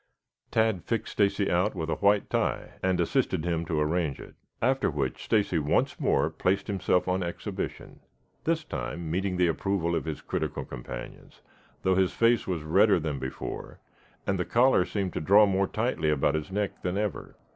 Tad fixed Stacy out with a white tie, and assisted him to arrange it, after which Stacy once more placed himself on exhibition, this time meeting the approval of his critical companions, though his face was redder than before, and the collar seemed to draw more tightly about his neck than ever.